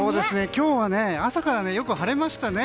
今日は朝からよく晴れましたね。